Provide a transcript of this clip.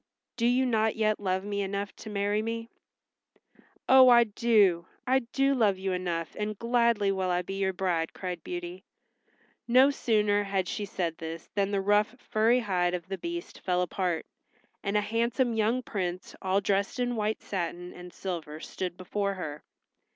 Do you not yet love me enough to marry me?" "Oh, I do! I do love you enough, and gladly will I be your bride," cried Beauty. No sooner had she said this than the rough furry hide of the Beast fell apart, and a handsome young prince all dressed in white satin and silver stood before her.